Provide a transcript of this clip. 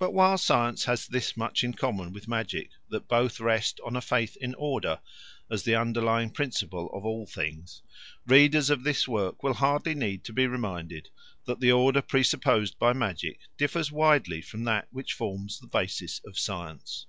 But while science has this much in common with magic that both rest on a faith in order as the underlying principle of all things, readers of this work will hardly need to be reminded that the order presupposed by magic differs widely from that which forms the basis of science.